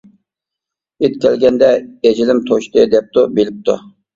ئىت كەلگەندە ئەجىلىم، توشتى دەپتۇ، بىلىپتۇ.